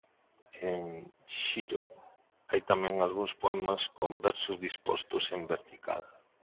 En "xiro" hai tamén algúns poemas con versos dispostos en vertical.